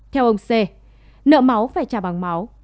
theo ông c nợ máu phải trả bằng máu